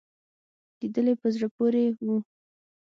لیدلې په زړه پورې وو.